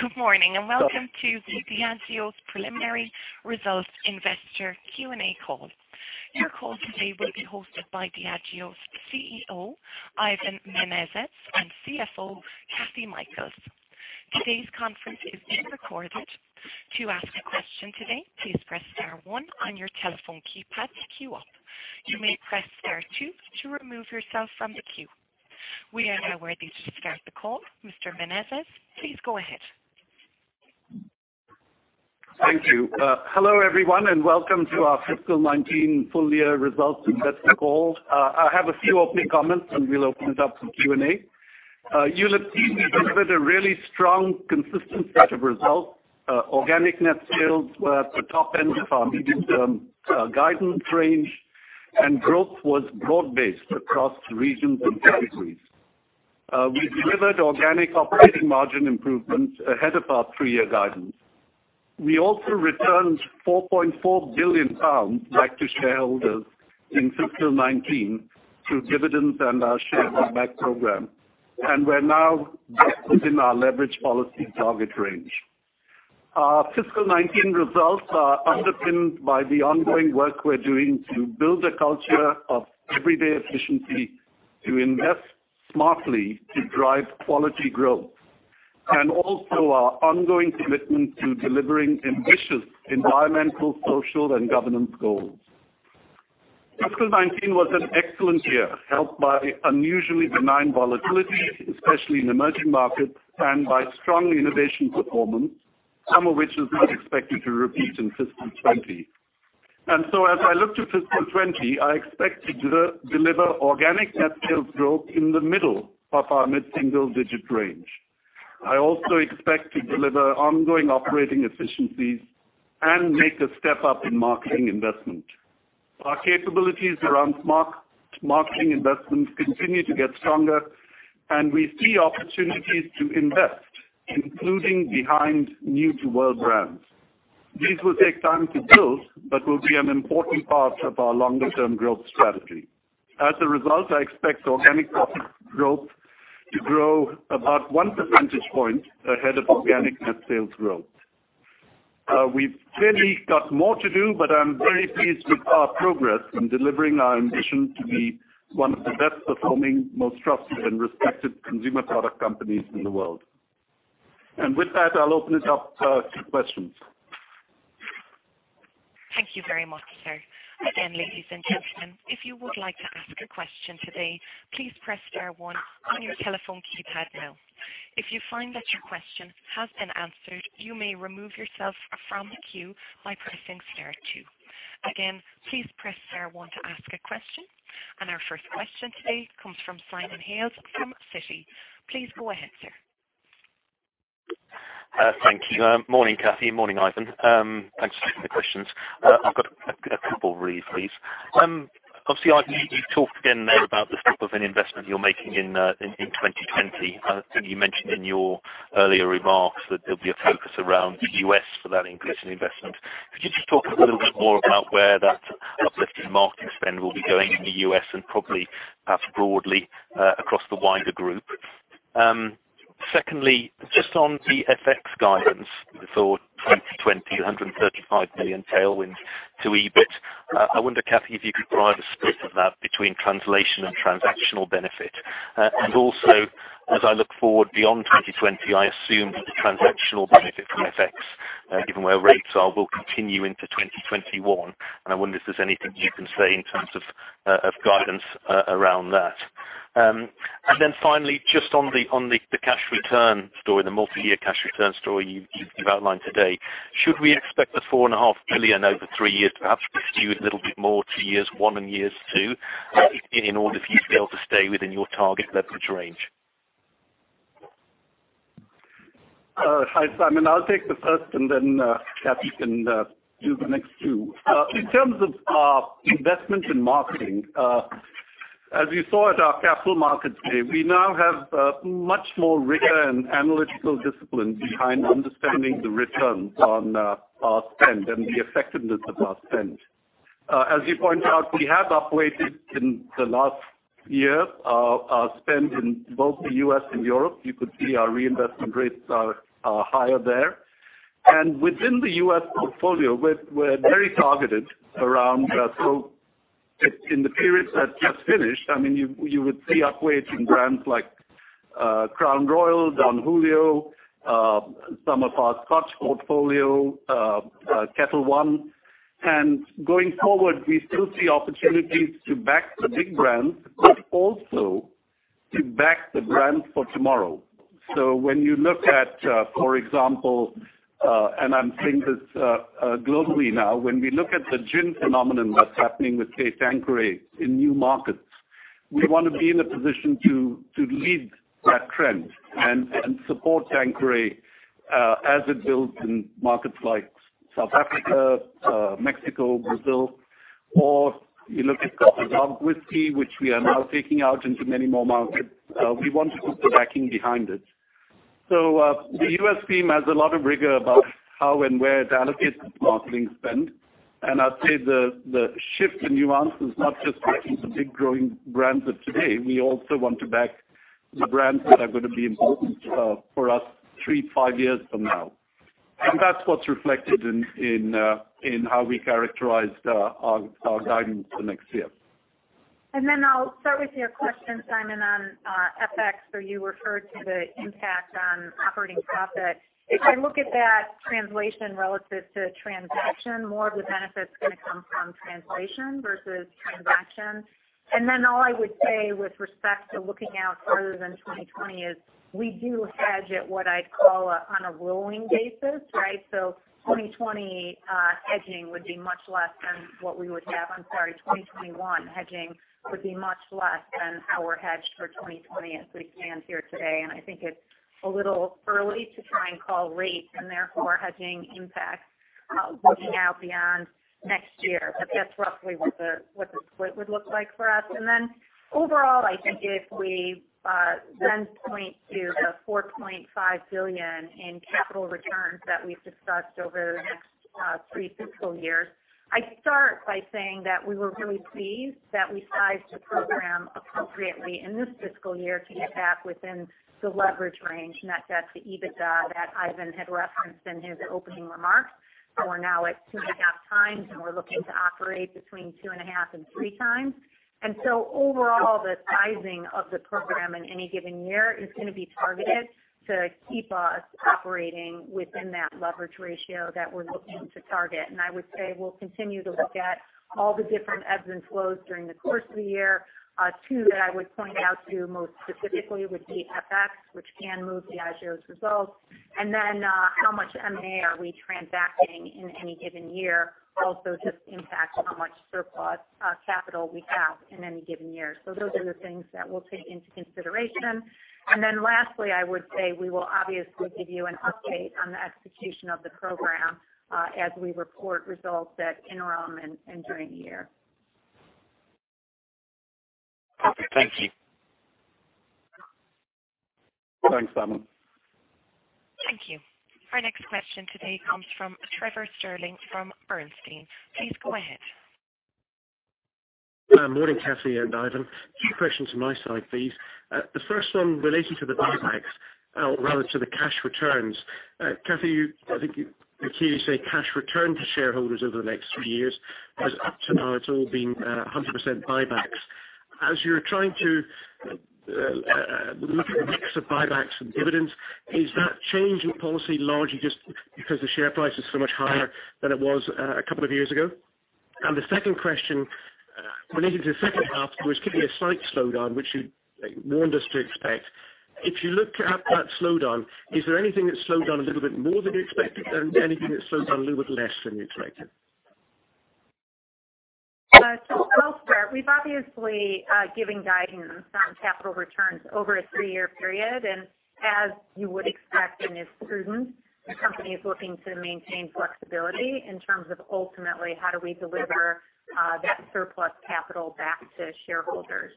Good morning, welcome to the Diageo's preliminary results investor Q&A call. Your call today will be hosted by Diageo's CEO, Ivan Menezes, and CFO, Kathy Mikells. Today's conference is being recorded. To ask a question today, please press star one on your telephone keypad to queue up. You may press star two to remove yourself from the queue. We are now ready to start the call. Mr. Menezes, please go ahead. Thank you. Hello, everyone, welcome to our fiscal 2019 full year results investor call. I have a few opening comments, we'll open it up for Q&A. You'll have seen we've delivered a really strong, consistent set of results. Organic net sales were at the top end of our medium-term guidance range, growth was broad-based across regions and categories. We've delivered organic operating margin improvements ahead of our three-year guidance. We also returned 4.4 billion pounds back to shareholders in fiscal 2019 through dividends and our share buyback program. We're now within our leverage policy target range. Our fiscal 2019 results are underpinned by the ongoing work we're doing to build a culture of everyday efficiency to invest smartly to drive quality growth, and also our ongoing commitment to delivering ambitious environmental, social, and governance goals. Fiscal 2019 was an excellent year, helped by unusually benign volatility, especially in emerging markets, and by strong innovation performance, some of which is not expected to repeat in fiscal 2020. As I look to fiscal 2020, I expect to deliver organic net sales growth in the middle of our mid-single digit range. I also expect to deliver ongoing operating efficiencies and make a step-up in marketing investment. Our capabilities around marketing investments continue to get stronger, and we see opportunities to invest, including behind new-to-world brands. These will take time to build but will be an important part of our longer-term growth strategy. As a result, I expect organic profit growth to grow about one percentage point ahead of organic net sales growth. We've clearly got more to do. I'm very pleased with our progress in delivering our ambition to be one of the best performing, most trusted and respected consumer product companies in the world. With that, I'll open it up to questions. Thank you very much, sir. Again, ladies and gentlemen, if you would like to ask a question today, please press star one on your telephone keypad now. If you find that your question has been answered, you may remove yourself from the queue by pressing star two. Again, please press star one to ask a question. Our first question today comes from Simon Hales from Citi. Please go ahead, sir. Thank you. Morning, Kathy. Morning, Ivan. Thanks for taking the questions. I’ve got a couple really please. Ivan, you talked again there about the step of an investment you’re making in 2020. I think you mentioned in your earlier remarks that there’ll be a focus around the U.S. for that increase in investment. Could you just talk a little bit more about where that uplift in marketing spend will be going in the U.S. and probably perhaps broadly across the wider group? Secondly, just on the FX guidance for 2020, 135 million tailwind to EBIT. I wonder, Kathy, if you could provide a split of that between translation and transactional benefit. Also, as I look forward beyond 2020, I assume that the transactional benefit from FX, given where rates are, will continue into 2021. I wonder if there's anything you can say in terms of guidance around that. Finally, just on the cash return story, the multi-year cash return story you've outlined today. Should we expect the 4.5 billion over 3 years to perhaps be skewed a little bit more to years 1 and years 2 in order for you to be able to stay within your target leverage range? Hi, Simon. I'll take the first, and then Kathy can do the next two. In terms of our investment in marketing, as you saw at our Capital Markets Day, we now have a much more rigor and analytical discipline behind understanding the returns on our spend and the effectiveness of our spend. As you point out, we have up-weighted in the last year our spend in both the U.S. and Europe. You could see our reinvestment rates are higher there. Within the U.S. portfolio, we're very targeted around growth. In the period that just finished, you would see up-weight in brands like Crown Royal, Don Julio, some of our Scotch portfolio, Ketel One. Going forward, we still see opportunities to back the big brands, but also to back the brands for tomorrow. When you look at, for example, and I am saying this globally now, when we look at the gin phenomenon that is happening with, say, Tanqueray in new markets, we want to be in a position to lead that trend and support Tanqueray as it builds in markets like South Africa, Mexico, Brazil, or you look at something like whiskey, which we are now taking out into many more markets. We want to put the backing behind it. The U.S. team has a lot of rigor about how and where to allocate the marketing spend. I would say the shift in nuance is not just backing the big growing brands of today. We also want to back the brands that are going to be important for us three to five years from now. That is what is reflected in how we characterized our guidance for next year. I'll start with your question, Simon, on FX, where you referred to the impact on operating profit. If I look at that translation relative to transaction, more of the benefit is going to come from translation versus transaction. All I would say with respect to looking out further than 2020 is we do hedge it, what I'd call, on a rolling basis, right? 2021 hedging would be much less than our hedge for 2020 as we stand here today, and I think it's a little early to try and call rates and therefore hedging impacts looking out beyond next year. That's roughly what the split would look like for us. Overall, I think if we then point to the 4.5 billion in capital returns that we've discussed over the next three fiscal years, I'd start by saying that we were really pleased that we sized the program appropriately in this fiscal year to get back within the leverage range, and that's the EBITDA that Ivan had referenced in his opening remarks. We're now at 2.5 times, and we're looking to operate between 2.5 and 3 times. Overall, the sizing of the program in any given year is going to be targeted to keep us operating within that leverage ratio that we're looking to target. I would say we'll continue to look at all the different ebbs and flows during the course of the year. Two that I would point out to you most specifically would be FX, which can move Diageo's results, and then how much M&A are we transacting in any given year also just impacts how much surplus capital we have in any given year. Those are the things that we'll take into consideration. Lastly, I would say we will obviously give you an update on the execution of the program as we report results at interim and during the year. Thank you. Thanks, Simon. Thank you. Our next question today comes from Trevor Stirling from Bernstein. Please go ahead. Morning, Kathy and Ivan. Two questions from my side, please. The first one relating to the buybacks, rather to the cash returns. Kathy, I think you clearly say cash return to shareholders over the next three years, whereas up to now, it's all been 100% buybacks. As you're trying to look at a mix of buybacks and dividends, is that change in policy largely just because the share price is so much higher than it was a couple of years ago? The second question, relating to the second half, there was clearly a slight slowdown, which you warned us to expect. If you look at that slowdown, is there anything that slowed down a little bit more than you expected and anything that slowed down a little bit less than you expected? Elsewhere, we've obviously given guidance on capital returns over a three-year period, and as you would expect and is prudent, the company is looking to maintain flexibility in terms of ultimately how do we deliver that surplus capital back to shareholders.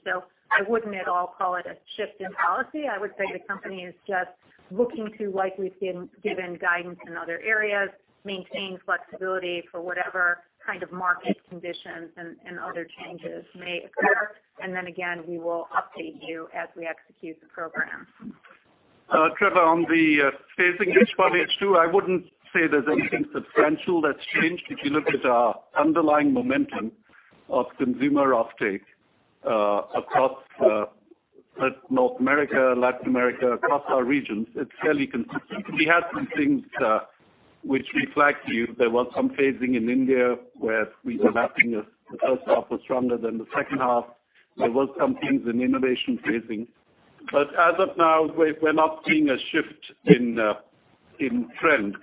I wouldn't at all call it a shift in policy. I would say the company is just looking to, like we've given guidance in other areas, maintain flexibility for whatever kind of market conditions and other changes may occur. Then again, we will update you as we execute the program. Trevor, on the phasing issue, part H2, I wouldn't say there's anything substantial that's changed. If you look at our underlying momentum of consumer uptake across North America, Latin America, across our regions, it's fairly consistent. We had some things which reflect to you. There was some phasing in India where we were mapping the first half was stronger than the second half. There was some things in innovation phasing. As of now, we're not seeing a shift in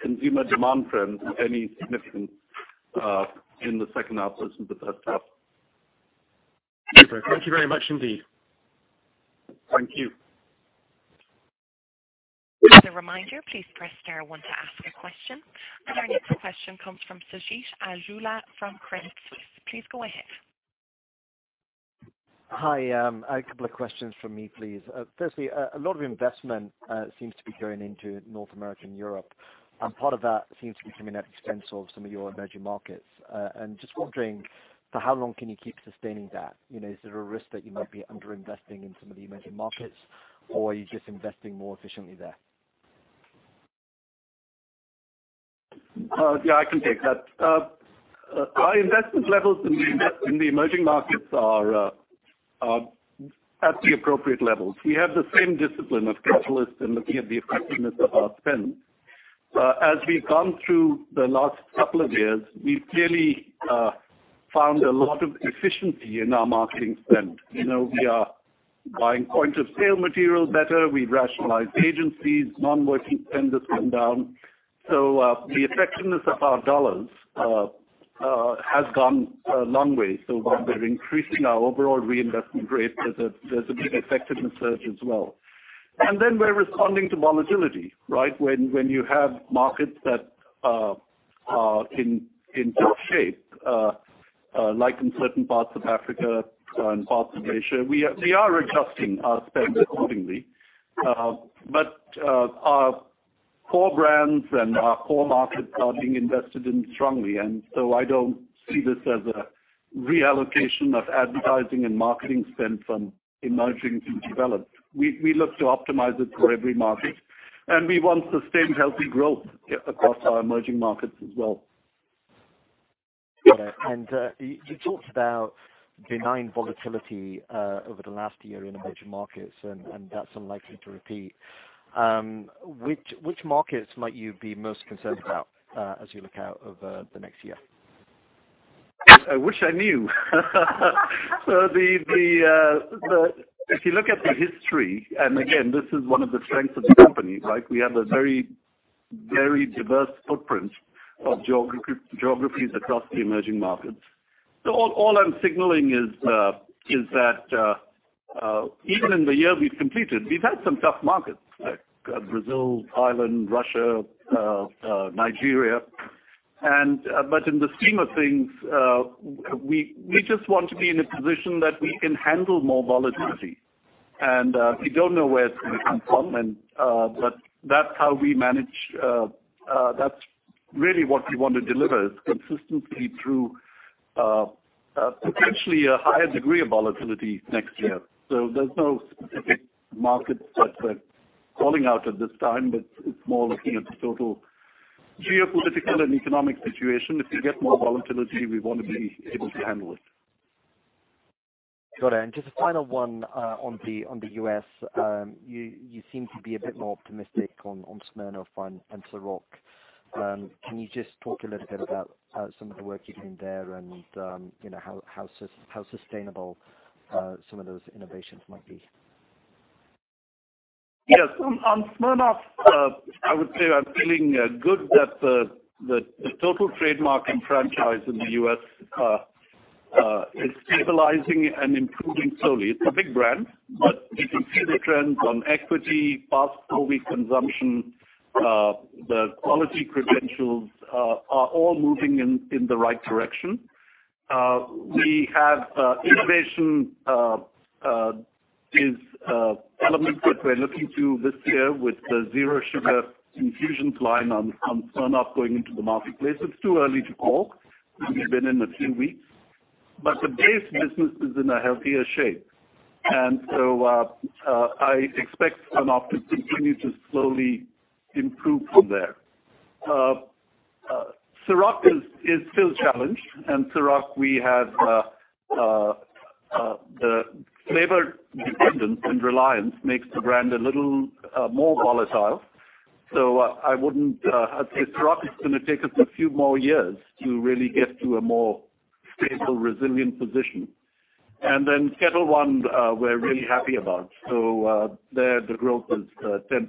consumer demand trend any significant in the second half versus the first half. Super. Thank you very much indeed. Thank you. As a reminder, please press star 1 to ask a question. Our next question comes from Sanjeet Aujla from Credit Suisse. Please go ahead. Hi. A couple of questions from me, please. Firstly, a lot of investment seems to be going into North America and Europe, part of that seems to be coming at the expense of some of your emerging markets. Just wondering, for how long can you keep sustaining that? Is there a risk that you might be under-investing in some of the emerging markets, or are you just investing more efficiently there? I can take that. Our investment levels in the emerging markets are at the appropriate levels. We have the same discipline of capitalists in looking at the effectiveness of our spend. As we've gone through the last couple of years, we've clearly found a lot of efficiency in our marketing spend. We are buying point-of-sale material better. We've rationalized agencies. Non-working spend has come down. The effectiveness of our dollars has gone a long way. While we're increasing our overall reinvestment rate, there's a big effectiveness surge as well. We're responding to volatility, right? When you have markets that are in tough shape, like in certain parts of Africa and parts of Asia, we are adjusting our spend accordingly. Our core brands and our core markets are being invested in strongly. I don't see this as a reallocation of advertising and marketing spend from emerging to developed. We look to optimize it for every market, and we want sustained healthy growth across our emerging markets as well. You talked about benign volatility over the last year in emerging markets, and that's unlikely to repeat. Which markets might you be most concerned about as you look out over the next year? I wish I knew. If you look at the history, and again, this is one of the strengths of the company, we have a very diverse footprint of geographies across the emerging markets. All I'm signaling is that even in the year we've completed, we've had some tough markets, like Brazil, Thailand, Russia, Nigeria. In the scheme of things, we just want to be in a position that we can handle more volatility. We don't know where it's going to come from. That's really what we want to deliver, is consistency through potentially a higher degree of volatility next year. There's no specific market that we're calling out at this time, but it's more looking at the total geopolitical and economic situation. If we get more volatility, we want to be able to handle it. Got it. Just a final one on the U.S. You seem to be a bit more optimistic on Smirnoff and Cîroc. Can you just talk a little bit about some of the work you're doing there and how sustainable some of those innovations might be? Yes. On Smirnoff, I would say I'm feeling good that the total trademark and franchise in the U.S. is stabilizing and improving slowly. It's a big brand, but you can see the trends on equity, past four-week consumption, the quality credentials are all moving in the right direction. Innovation is an element that we're looking to this year with the Zero Sugar Infusions line on Smirnoff going into the marketplace. It's too early to talk. We've been in a few weeks. The base business is in a healthier shape, and so I expect Smirnoff to continue to slowly improve from there. CÎROC is still a challenge. CÎROC, the flavor dependence and reliance makes the brand a little more volatile. I'd say CÎROC is going to take us a few more years to really get to a more stable, resilient position. Ketel One, we're really happy about. There, the growth is 10%.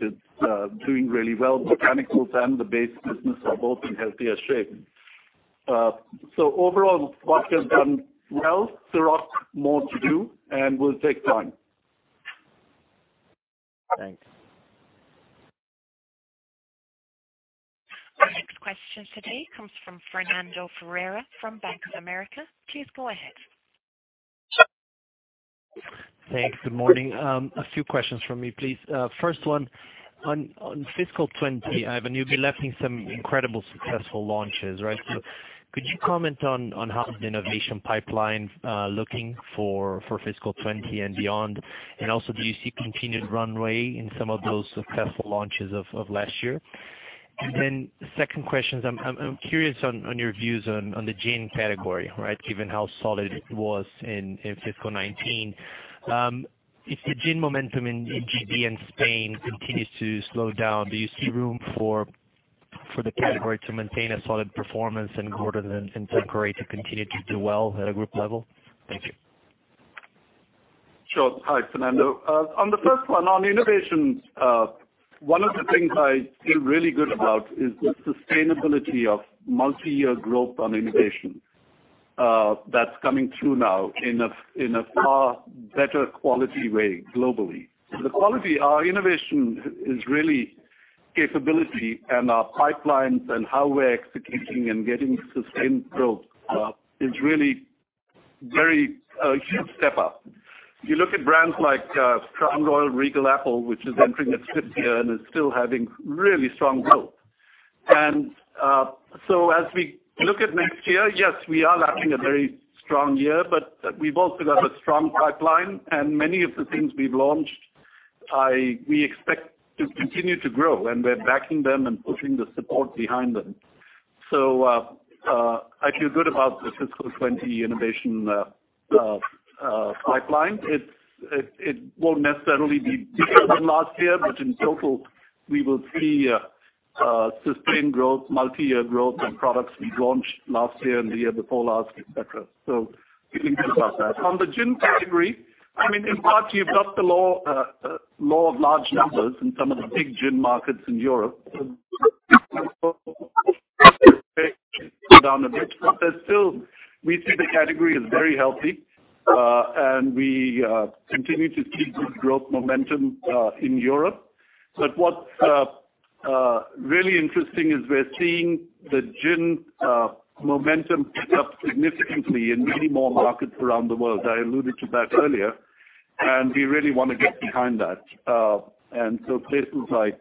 It's doing really well. Botanicals and the base business are both in healthier shape. Overall, Smirnoff has done well. CÎROC, more to do, and will take time. Thanks. Our next question today comes from Fernando Ferreira from Bank of America. Please go ahead. Thanks. Good morning. A few questions from me, please. First one, on fiscal 2020, Ivan, you’ve been lifting some incredible successful launches, right? Could you comment on how the innovation pipeline looking for fiscal 2020 and beyond? Also, do you see continued runway in some of those successful launches of last year? Second question, I’m curious on your views on the gin category, given how solid it was in fiscal 2019. If the gin momentum in GB and Spain continues to slow down, do you see room for the category to maintain a solid performance in Gordon’s and Tanqueray to continue to do well at a group level? Thank you. Sure. Hi, Fernando. On the first one, on innovation, one of the things I feel really good about is the sustainability of multi-year growth on innovation that's coming through now in a far better quality way globally. The quality, our innovation is really capability, and our pipelines and how we're executing and getting sustained growth is really a huge step up. If you look at brands like Crown Royal Regal Apple, which is entering its fifth year and is still having really strong growth. As we look at next year, yes, we are lapping a very strong year, but we've also got a strong pipeline. Many of the things we've launched, we expect to continue to grow, and we're backing them and pushing the support behind them. I feel good about the fiscal 2020 innovation pipeline. It won't necessarily be bigger than last year, but in total, we will see sustained growth, multi-year growth on products we've launched last year and the year before last, et cetera. Feeling good about that. On the gin category, in part, you've got the law of large numbers in some of the big gin markets in Europe. There's still, we see the category as very healthy, and we continue to see good growth momentum in Europe. What's really interesting is we're seeing the gin momentum pick up significantly in many more markets around the world. I alluded to that earlier. We really want to get behind that. Places like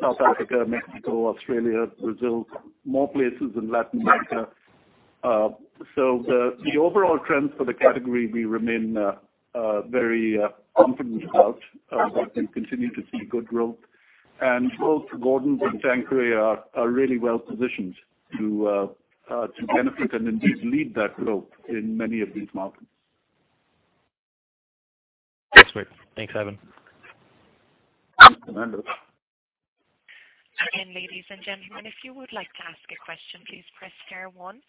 South Africa, Mexico, Australia, Brazil, more places in Latin America. The overall trends for the category, we remain very confident about, that we continue to see good growth. Both Gordon's and Tanqueray are really well positioned to benefit and indeed lead that growth in many of these markets. Excellent. Thanks, Ivan. Thanks, Fernando. Again, ladies and gentlemen, if you would like to ask a question, please press star one.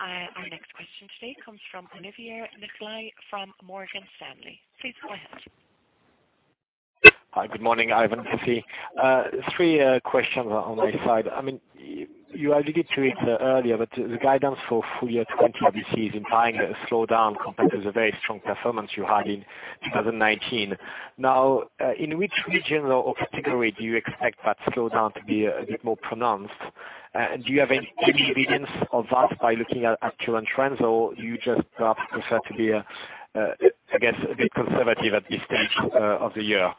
Our next question today comes from Olivier Nicolai from Morgan Stanley. Please go ahead. Hi. Good morning, Ivan, Kathy. Three questions on my side. You alluded to it earlier, the guidance for full year 2020 obviously is implying a slowdown compared to the very strong performance you had in 2019. In which region or category do you expect that slowdown to be a bit more pronounced? Do you have any evidence of that by looking at actual trends, or you just perhaps prefer to be, I guess, a bit conservative at this stage of the year?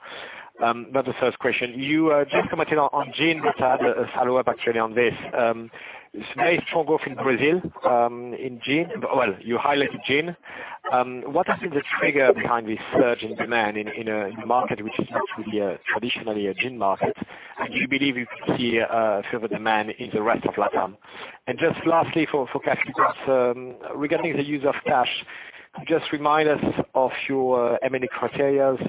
That's the first question. You just commented on gin, I had a follow-up actually on this. Very strong growth in Brazil in gin. Well, you highlighted gin. What has been the trigger behind this surge in demand in a market which is not really traditionally a gin market? Do you believe you could see a similar demand in the rest of Latam? Just lastly, for cash flow, regarding the use of cash, just remind us of your M&A criteria, is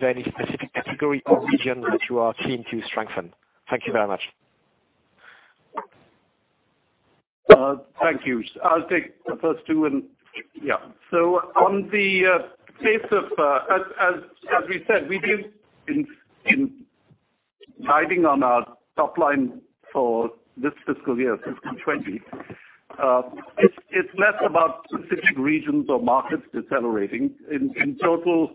there any specific category or region that you are keen to strengthen? Thank you very much. Thank you. I'll take the first two. As we said, we've been guiding on our top line for this fiscal year, fiscal 2020. It's less about specific regions or markets decelerating. In total,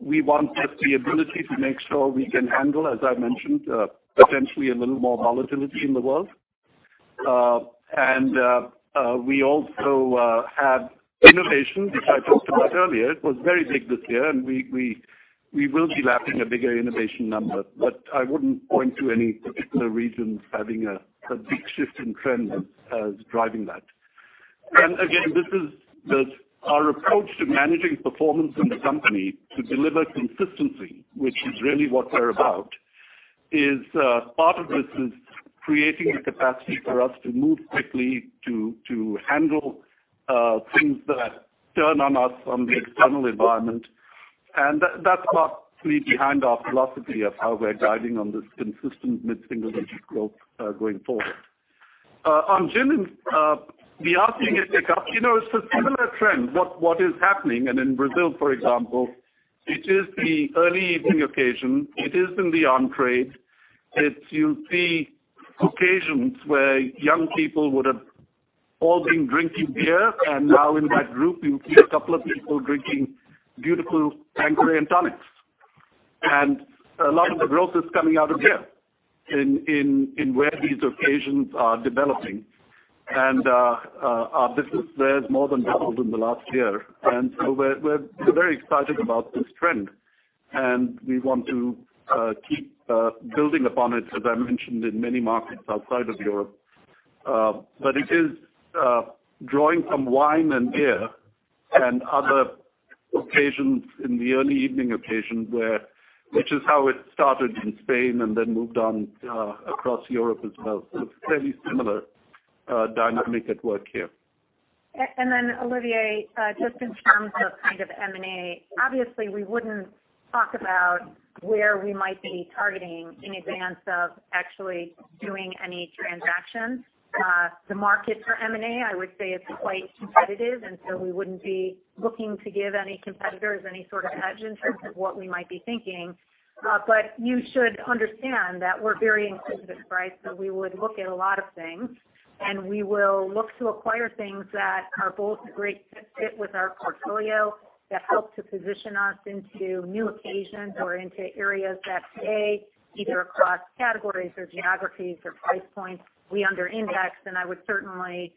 we want just the ability to make sure we can handle, as I mentioned, potentially a little more volatility in the world. We also have innovation, which I talked about earlier. It was very big this year. We will be lapping a bigger innovation number. I wouldn't point to any particular regions having a big shift in trend as driving that. Again, our approach to managing performance in the company to deliver consistency, which is really what we're about, is part of this is creating the capacity for us to move quickly to handle things that turn on us on the external environment. That's partly behind our philosophy of how we're guiding on this consistent mid-single digit growth going forward. On gin and the off-taking it's had, it's a similar trend, what is happening. In Brazil, for example, it is the early evening occasion. It is in the on-trade. You'll see occasions where young people would have all been drinking beer, and now in that group, you'll see a couple of people drinking beautiful Tanqueray and tonics. A lot of the growth is coming out of there, in where these occasions are developing. Our business there has more than doubled in the last year. So we're very excited about this trend, and we want to keep building upon it, as I mentioned, in many markets outside of Europe. It is drawing from wine and beer and other occasions in the early evening occasion, which is how it started in Spain and then moved on across Europe as well. It's a fairly similar dynamic at work here. Olivier, just in terms of M&A, obviously we wouldn't talk about where we might be targeting in advance of actually doing any transactions. The market for M&A, I would say, is quite competitive, we wouldn't be looking to give any competitors any sort of edge in terms of what we might be thinking. You should understand that we're very inquisitive, right? We would look at a lot of things, we will look to acquire things that are both a great fit with our portfolio, that help to position us into new occasions or into areas that, A, either across categories or geographies or price points we under-indexed. I would certainly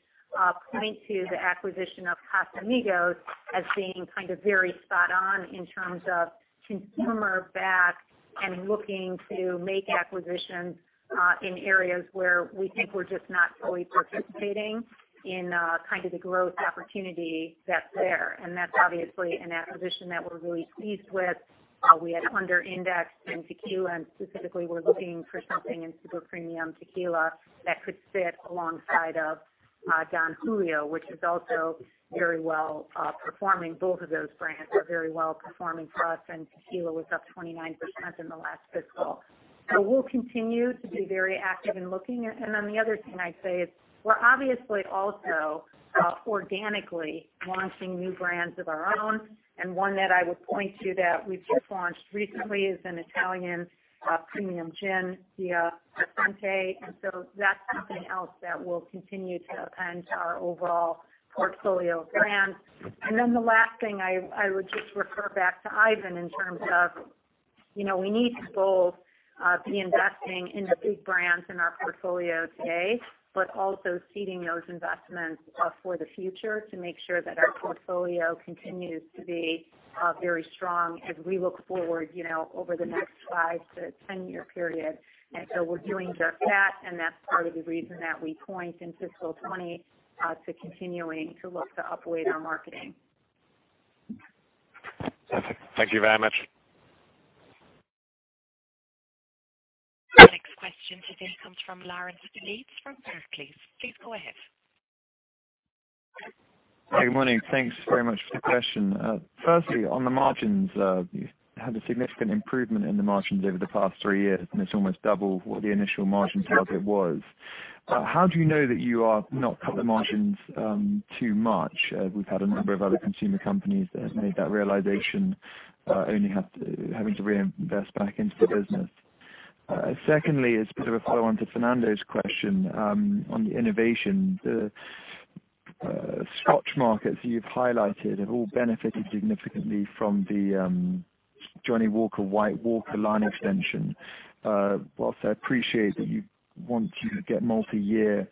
point to the acquisition of Casamigos as being very spot on in terms of consumer-backed and looking to make acquisitions in areas where we think we're just not fully participating in the growth opportunity that's there. That's obviously an acquisition that we're really pleased with. We had under-indexed in tequila, and specifically were looking for something in super premium tequila that could sit alongside of Don Julio, which is also very well performing. Both of those brands are very well performing for us, and tequila was up 29% in the last fiscal. We'll continue to be very active in looking. The other thing I'd say is we're obviously also organically launching new brands of our own. One that I would point to that we've just launched recently is an Italian premium gin, Villa Ascenti. That's something else that will continue to append to our overall portfolio of brands. The last thing, I would just refer back to Ivan in terms of, we need to both be investing in the big brands in our portfolio today, but also seeding those investments for the future to make sure that our portfolio continues to be very strong as we look forward, over the next five to 10-year period. We're doing just that, and that's part of the reason that we point in fiscal 2020, to continuing to look to upweight our marketing. Perfect. Thank you very much. The next question today comes from Lawrence Leeds from Barclays. Please go ahead. Good morning. Thanks very much for the question. Firstly, on the margins, you've had a significant improvement in the margins over the past three years, and it's almost double what the initial margin target was. How do you know that you are not cutting margins too much? We've had a number of other consumer companies that have made that realization, only having to reinvest back into the business. Secondly, as a bit of a follow-on to Fernando's question, on the innovation. The Scotch markets you've highlighted have all benefited significantly from the Johnnie Walker White Walker line extension. Whilst I appreciate that you want to get multi-year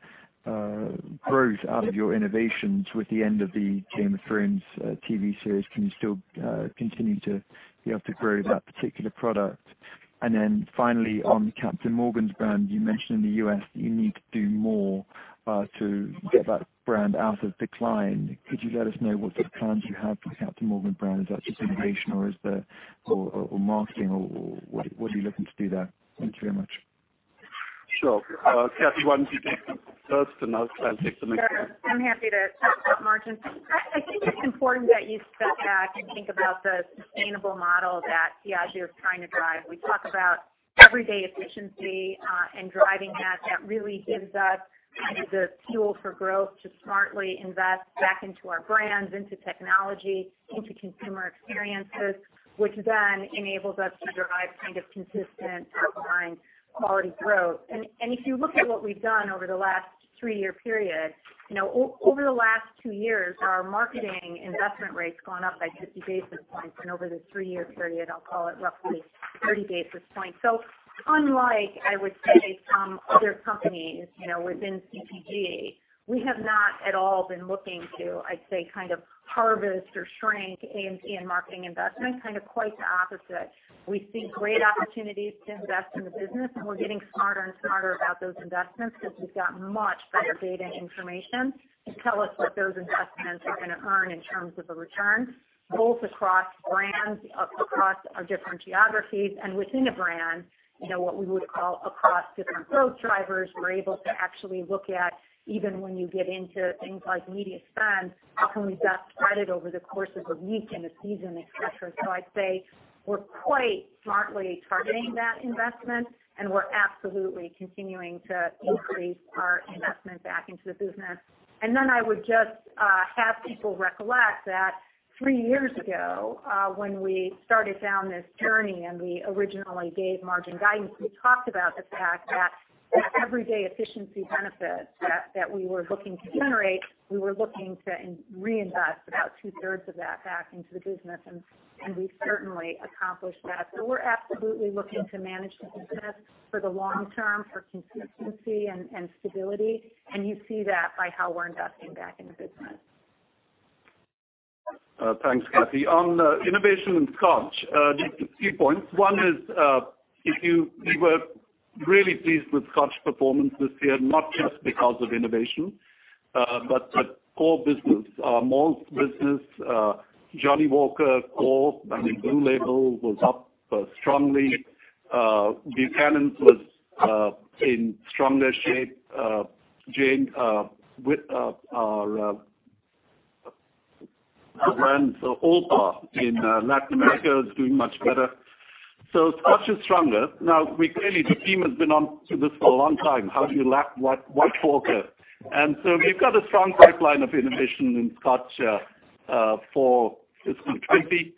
growth out of your innovations with the end of the "Game of Thrones" TV series, can you still continue to be able to grow that particular product? Finally, on Captain Morgan brand, you mentioned in the U.S. that you need to do more to get that brand out of decline. Could you let us know what plans you have for the Captain Morgan brand? Is that just innovation or marketing, or what are you looking to do there? Thank you very much. Sure. Kathy, why don't you take first, and I'll take the next one. Sure. I'm happy to start with margins. I think it's important that you step back and think about the sustainable model that Diageo is trying to drive. We talk about everyday efficiency and driving that. That really gives us kind of the fuel for growth to smartly invest back into our brands, into technology, into consumer experiences, which then enables us to drive kind of consistent underlying quality growth. If you look at what we've done over the last three-year period, over the last two years, our marketing investment rate's gone up by 50 basis points. Over the three-year period, I'll call it roughly 30 basis points. Unlike, I would say, some other companies within CPG, we have not at all been looking to, I'd say, kind of harvest or shrink A&P and marketing investments. Kind of quite the opposite. We see great opportunities to invest in the business, and we're getting smarter and smarter about those investments because we've got much better data and information to tell us what those investments are going to earn in terms of a return, both across brands, across our different geographies and within a brand, what we would call across different growth drivers. We're able to actually look at, even when you get into things like media spend, how can we best spread it over the course of a week in a season, et cetera. I'd say we're quite smartly targeting that investment, and we're absolutely continuing to increase our investment back into the business. I would just have people recollect that three years ago, when we started down this journey and we originally gave margin guidance, we talked about the fact that the everyday efficiency benefits that we were looking to generate, we were looking to reinvest about two-thirds of that back into the business, and we've certainly accomplished that. We're absolutely looking to manage the business for the long term, for consistency and stability. You see that by how we're investing back in the business. Thanks, Kathy. On innovation in Scotch, just a few points. One is, we were really pleased with Scotch performance this year, not just because of innovation. Core business, malt business, Johnnie Walker core, I mean, Blue Label was up strongly. Buchanan's was in stronger shape. Our brands, Old Parr in Latin America is doing much better. Scotch is stronger. Now, clearly, the team has been on to this for a long time. How do you lap White Walker? We've got a strong pipeline of innovation in Scotch for fiscal 2020.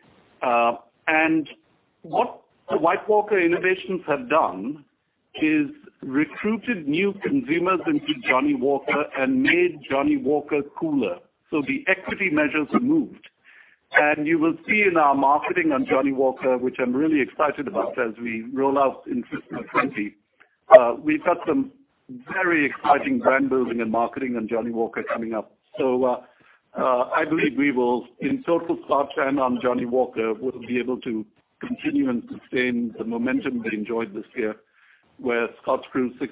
What the White Walker innovations have done is recruited new consumers into Johnnie Walker and made Johnnie Walker cooler. The equity measures have moved. You will see in our marketing on Johnnie Walker, which I'm really excited about as we roll out in fiscal 2020, we've got some very exciting brand building and marketing on Johnnie Walker coming up. I believe we will, in total, Scotch and on Johnnie Walker, we'll be able to continue and sustain the momentum we enjoyed this year, where Scotch grew 6%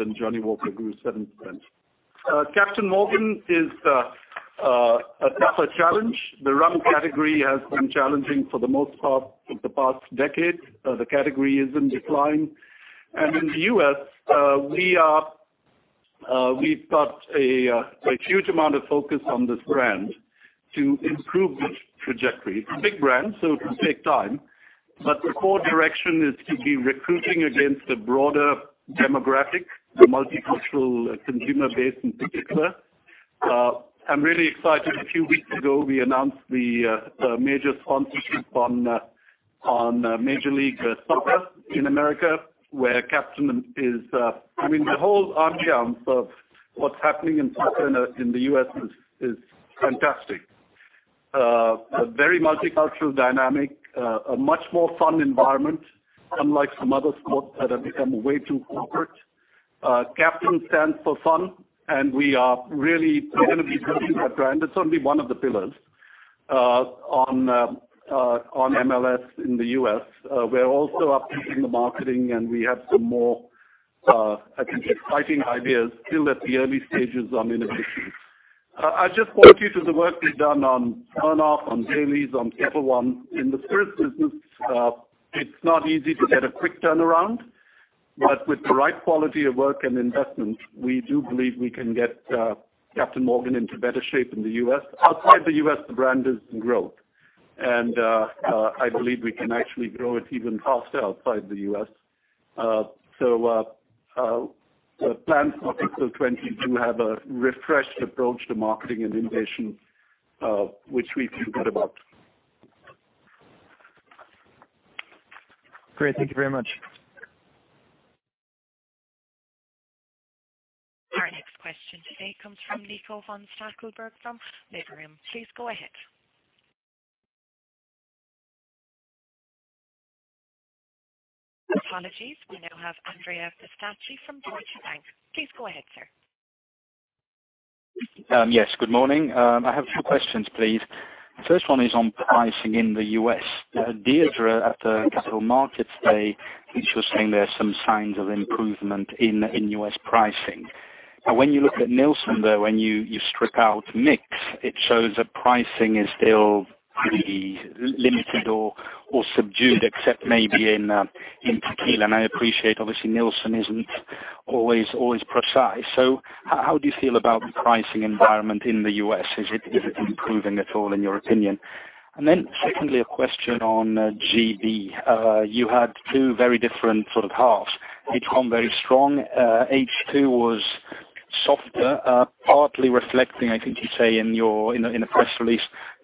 and Johnnie Walker grew 7%. Captain Morgan is a tougher challenge. The rum category has been challenging for the most part of the past decade. The category is in decline. In the U.S., we've got a huge amount of focus on this brand to improve the trajectory. It's a big brand, it will take time. The core direction is to be recruiting against a broader demographic, the multicultural consumer base in particular. I'm really excited. A few weeks ago, we announced the major sponsorship on Major League Soccer in America, where Captain is. The whole ambiance of what's happening in soccer in the U.S. is fantastic. A very multicultural dynamic, a much more fun environment, unlike some other sports that have become way too corporate. Captain stands for fun, and we are really going to be building that brand. It's only one of the pillars. On MLS in the U.S., we're also upkeeping the marketing, and we have some more exciting ideas still at the early stages on innovation. I just point you to the work we've done on Smirnoff, on Baileys, on Ketel One. In the spirits business, it's not easy to get a quick turnaround, but with the right quality of work and investment, we do believe we can get Captain Morgan into better shape in the U.S. Outside the U.S., the brand is in growth, and I believe we can actually grow it even faster outside the U.S. The plans for fiscal 2020 do have a refreshed approach to marketing and innovation, which we feel good about. Great. Thank you very much. Our next question today comes from Nico von Stackelberg from Liberum. Please go ahead. Apologies. We now have Andrea Pistacchi from Deutsche Bank. Please go ahead, sir. Yes, good morning. I have two questions, please. First one is on pricing in the U.S. Deirdre, at the Capital Markets Day, I think she was saying there are some signs of improvement in U.S. pricing. Now, when you look at Nielsen, though, when you strip out mix, it shows that pricing is still pretty limited or subdued except maybe in tequila. I appreciate, obviously, Nielsen isn't always precise. How do you feel about the pricing environment in the U.S.? Is it improving at all, in your opinion? Secondly, a question on GB. You had two very different sort of halves. H1, very strong. H2 was softer, partly reflecting, I think you say in the press release,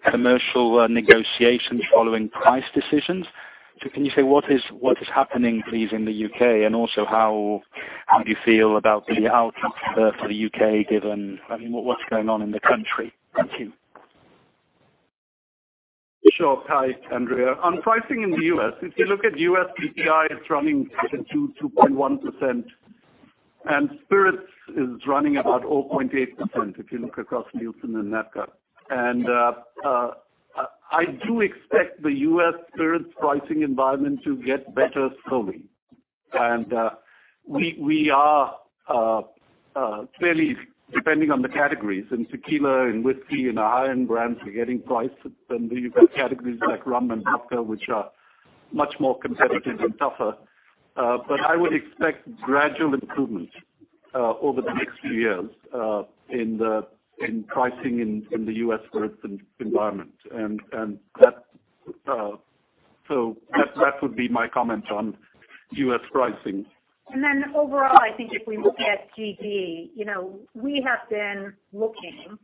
commercial negotiations following price decisions. Can you say what is happening, please, in the U.K., and also how do you feel about the outlook for the U.K., given what's going on in the country? Thank you. Sure. Hi, Andrea Pistacchi. On pricing in the U.S., if you look at U.S. PPI, it's running between 2% to 2.1%, spirits is running about 0.8% if you look across Nielsen and NABCA. I do expect the U.S. spirits pricing environment to get better slowly. We are clearly, depending on the categories, and tequila and whiskey and our higher-end brands are getting price. You've got categories like rum and vodka, which are much more competitive and tougher. I would expect gradual improvement over the next few years in pricing in the U.S. spirits environment. That would be my comment on U.S. pricing. Overall, I think if we look at GB, we have been looking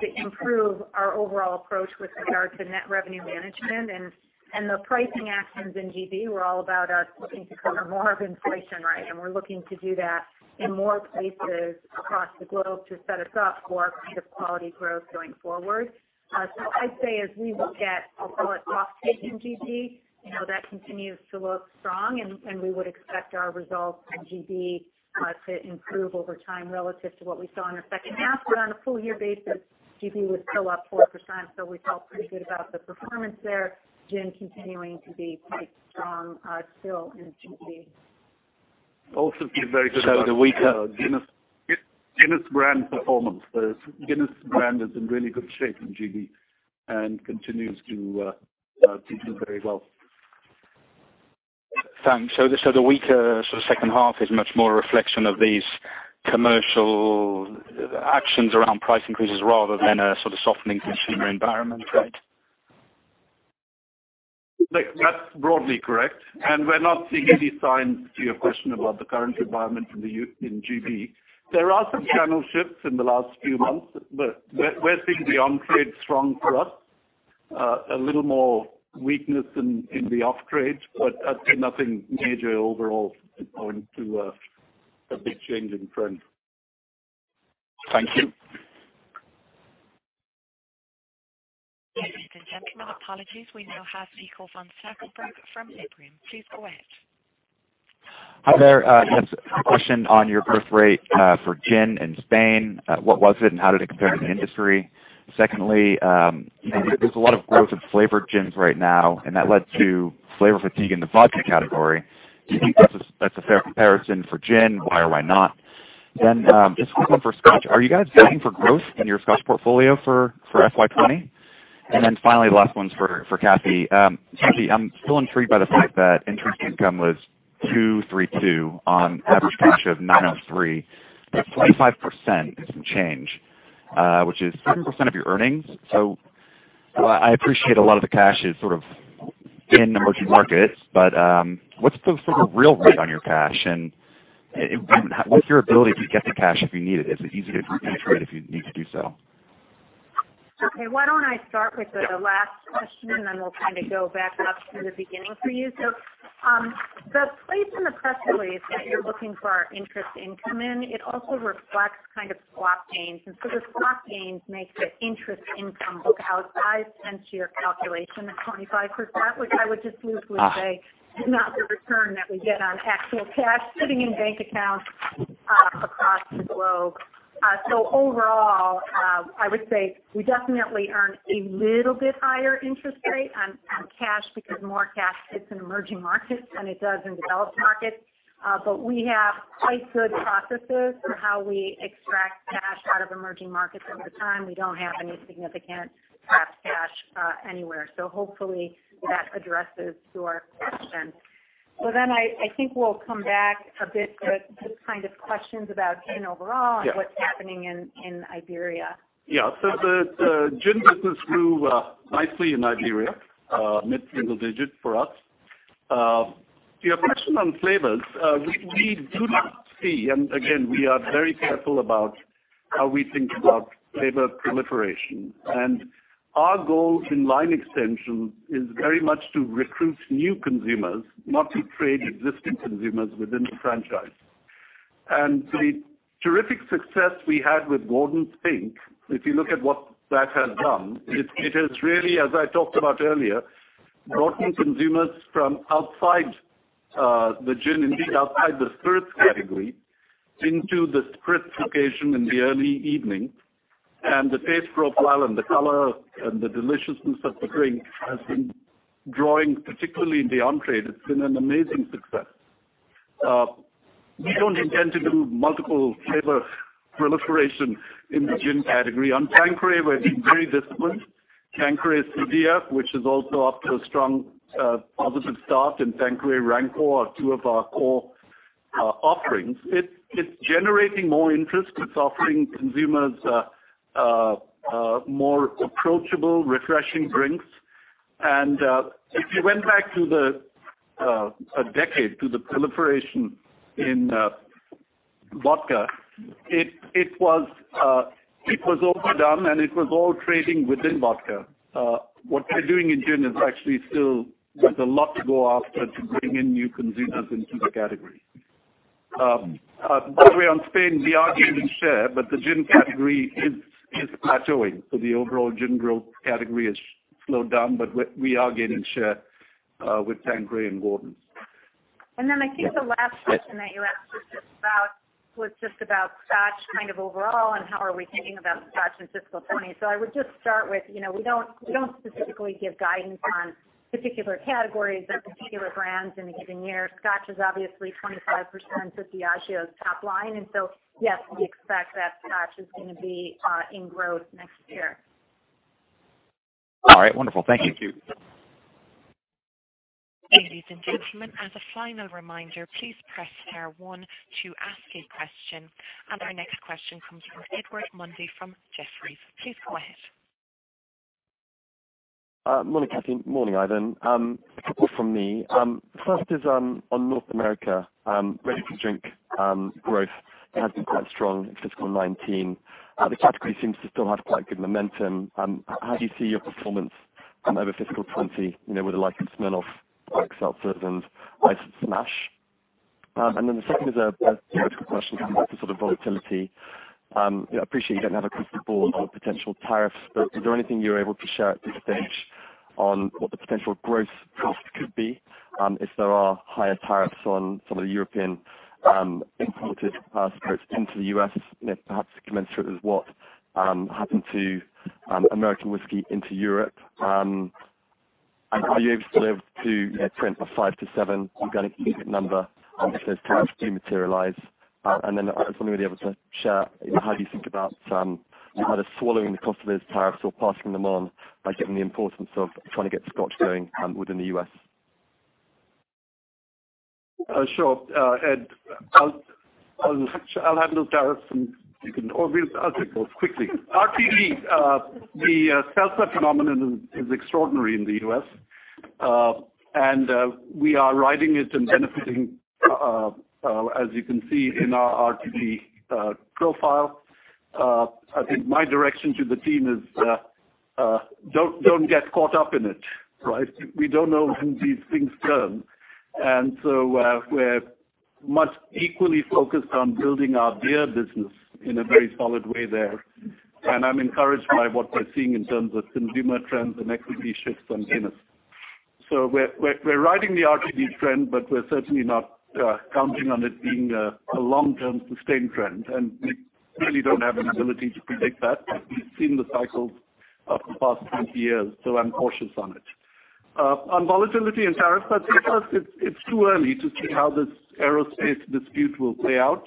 to improve our overall approach with regard to net revenue management, and the pricing actions in GB were all about us looking to cover more of inflation. We're looking to do that in more places across the globe to set us up for kind of quality growth going forward. I'd say as we look at off-trade in GB, that continues to look strong, and we would expect our results in GB to improve over time relative to what we saw in the second half. On a full-year basis, GB was still up 4%, so we felt pretty good about the performance there. gin continuing to be quite strong still in GB. Feel very good about the Guinness brand performance. The Guinness brand is in really good shape in G.B. and continues to do very well. Thanks. The weaker second half is much more a reflection of these commercial actions around price increases rather than a sort of softening consumer environment, right? That's broadly correct. We're not seeing any signs, to your question about the current environment in GB. There are some channel shifts in the last few months, but we're seeing the on-trade strong for us. A little more weakness in the off-trade, but nothing major overall pointing to a big change in trend. Thank you. Ladies and gentlemen, apologies. We now have Nico von Stackelberg from Liberum. Please go ahead. Hi there. Yes. A question on your growth rate for gin in Spain. What was it, and how did it compare to the industry? There's a lot of growth in flavored gins right now, and that led to flavor fatigue in the vodka category. Do you think that's a fair comparison for gin? Why or why not? Just a quick one for Scotch. Are you guys planning for growth in your Scotch portfolio for FY 2020? Finally, the last one's for Kathy. Kathy, I'm still intrigued by the fact that interest income was 232 on average cash of 903. That's 25% and some change, which is 13% of your earnings. I appreciate a lot of the cash is in emerging markets, but what's the real rate on your cash, and what's your ability to get to cash if you need it? Is it easy to repatriate if you need to do so? Okay. Why don't I start with the last question, and then we'll kind of go back up to the beginning for you. The place in the press release that you're looking for our interest income in, it also reflects kind of swap gains. The swap gains make the interest income look outsized hence your calculation of 25%, which I would just loosely say is not the return that we get on actual cash sitting in bank accounts across the globe. Overall, I would say we definitely earn a little bit higher interest rate on cash because more cash sits in emerging markets than it does in developed markets. We have quite good processes for how we extract cash out of emerging markets at the time. We don't have any significant trapped cash anywhere. Hopefully that addresses your question. I think we'll come back a bit, Ivan, to kind of questions about gin overall and what's happening in Iberia. Yeah. The gin business grew nicely in Iberia, mid-single-digit for us. Your question on flavors, we do not see, and again, we are very careful about how we think about flavor proliferation. Our goal in line extension is very much to recruit new consumers, not to trade existing consumers within the franchise. The terrific success we had with Gordon's Pink, if you look at what that has done, it has really, as I talked about earlier, brought in consumers from outside the gin, indeed outside the spirits category, into the spritization in the early evening. The taste profile and the color and the deliciousness of the drink has been drawing, particularly in the on-trade. It's been an amazing success. We don't intend to do multiple flavor proliferation in the gin category. On Tanqueray, we're being very disciplined. Tanqueray Sevilla, which is also off to a strong positive start, Tanqueray Rangpur are two of our core offerings. It's generating more interest. It's offering consumers more approachable, refreshing drinks. If you went back a decade to the proliferation in vodka, it was overdone, and it was all trading within vodka. What we're doing in gin is actually still, there's a lot to go after to bring in new consumers into the category. By the way, on Spain, we are gaining share, the gin category is plateauing. The overall gin growth category has slowed down, we are gaining share with Tanqueray and Gordon's. I think the last question that you asked was just about scotch kind of overall, and how are we thinking about scotch in fiscal 2020. I would just start with, we don't specifically give guidance on particular categories or particular brands in a given year. Scotch is obviously 25% of Diageo's top line. Yes, we expect that scotch is going to be in growth next year. All right. Wonderful. Thank you. Thank you. Ladies and gentlemen, as a final reminder, please press star one to ask a question. Our next question comes from Edward Mundy from Jefferies. Please go ahead. Morning, Kathy. Morning, Ivan. A couple from me. First is on North America. Ready-to-drink growth has been quite strong in fiscal 2019. The category seems to still have quite good momentum. How do you see your performance over fiscal 2020 with the like of Smirnoff, hard seltzers, and Smirnoff Ice Smash? The second is a political question coming back to sort of volatility. I appreciate you don't have a crystal ball on potential tariffs, but is there anything you're able to share at this stage on what the potential gross cost could be if there are higher tariffs on some of the European imported spirits into the U.S., perhaps commensurate with what happened to American whiskey into Europe? Are you able to print a 5 to 7 organic EBIT number if those tariffs do materialize? I was wondering whether you're able to share how do you think about either swallowing the cost of those tariffs or passing them on by given the importance of trying to get scotch going within the U.S.? Sure. Ed, I'll handle tariffs, or I'll take both quickly. RTD, the seltzer phenomenon is extraordinary in the U.S. We are riding it and benefiting, as you can see in our RTD profile. I think my direction to the team is, don't get caught up in it, right? We don't know when these things turn. We're much equally focused on building our beer business in a very solid way there. I'm encouraged by what we're seeing in terms of consumer trends and equity shifts on Guinness. We're riding the RTD trend, but we're certainly not counting on it being a long-term sustained trend, and we really don't have an ability to predict that. We've seen the cycles of the past 20 years, so I'm cautious on it. On volatility and tariffs, it's too early to see how this aerospace dispute will play out.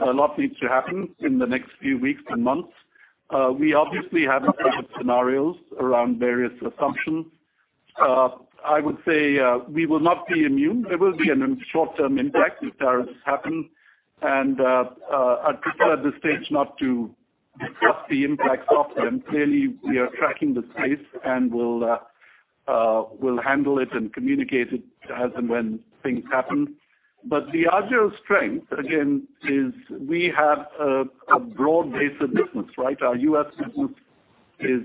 A lot needs to happen in the next few weeks and months. We obviously have a set of scenarios around various assumptions. I would say, we will not be immune. There will be a short-term impact if tariffs happen, and I'd prefer at this stage not to guess the impacts of them. Clearly, we are tracking the space, and we'll handle it and communicate it as and when things happen. Diageo's strength, again, is we have a broad base of business, right? Our U.S. business is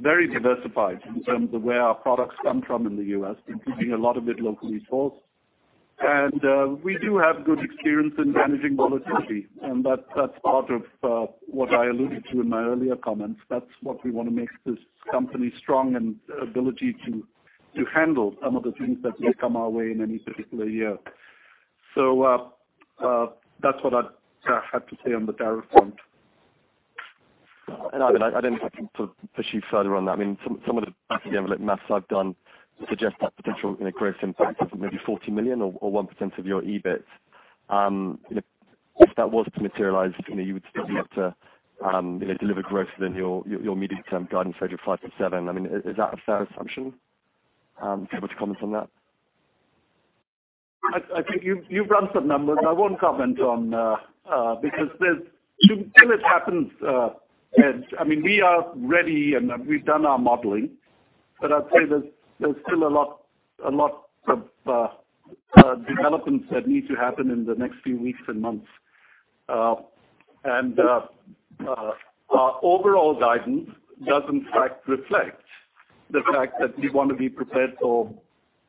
very diversified in terms of where our products come from in the U.S., including a lot of it locally sourced. We do have good experience in managing volatility, and that's part of what I alluded to in my earlier comments. That's what we want to make this company strong and ability to handle some of the things that may come our way in any particular year. That's what I'd had to say on the tariff front. Ivan, to push you further on that, some of the back of the envelope maths I've done suggest that potential gross impact of maybe 40 million or 1% of your EBIT. If that was to materialize, you would still be able to deliver growth within your medium-term guidance range of 5%-7%. Is that a fair assumption? Be able to comment on that? I think you've run some numbers. I won't comment on, because till it happens, Ed, we are ready and we've done our modeling. I'd say there's still a lot of developments that need to happen in the next few weeks and months. Our overall guidance does in fact reflect the fact that we want to be prepared for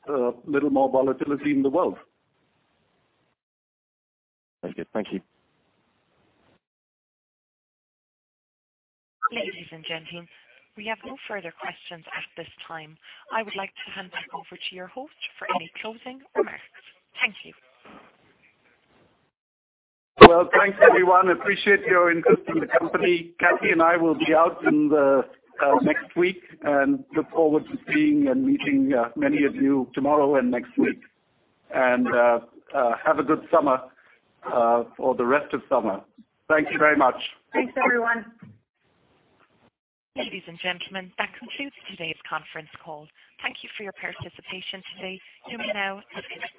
a little more volatility in the world. Thank you. Ladies and gentlemen, we have no further questions at this time. I would like to hand back over to your host for any closing remarks. Thank you. Well, thanks everyone. Appreciate your interest in the company. Kathy and I will be out in the next week and look forward to seeing and meeting many of you tomorrow and next week. Have a good summer for the rest of summer. Thank you very much. Thanks, everyone. Ladies and gentlemen, that concludes today's conference call. Thank you for your participation today. You may now disconnect.